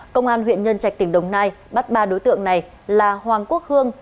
công an huyện nhân trạch tỉnh đồng nai bắt ba đối tượng này là hoàng quốc hương